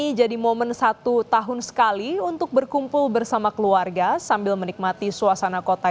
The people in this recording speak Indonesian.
ini jadi momen satu tahun sekali untuk berkumpul bersama keluarga sambil menikmati suasana kota